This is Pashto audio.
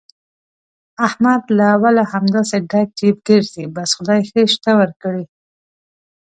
احمد له اوله همداسې ډک جېب ګرځي، بس خدای ښه شته ورکړي.